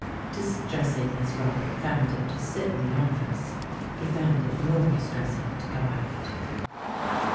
Distressing as Robert found it to sit in the office, he found it more distressing to go out.